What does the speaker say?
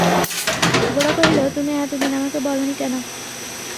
গোরা কহিল, তুমি এতদিন আমাকে বল নি কেন?